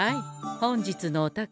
本日のお宝